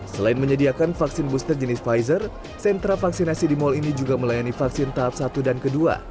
selain menyediakan vaksin booster jenis pfizer sentra vaksinasi di mal ini juga melayani vaksin tahap satu dan kedua